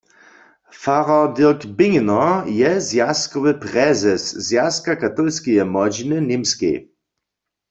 Farar Dirk Bingener je zwjazkowy prezes Zwjazka katolskeje młodźiny w Němskej.